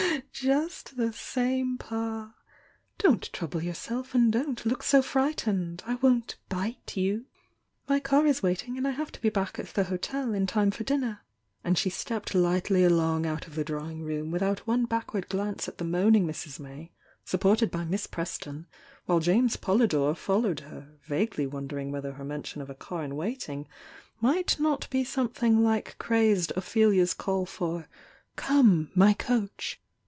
Just the same Pa! Don't trouble yourself and don't look so frightened! I won't 'bite' you! My car is waiting and I have to be back at the hotel in time for dinner." And she stepped lightly along out of the drawing room without one backward glance at the moaning Mrs. May, supported by Miss Preston, while James Poly dore followed her, vaguely wondering whether her mention of a car in waiting might not be something like crazed Ophelia's call for "Come, my coach!"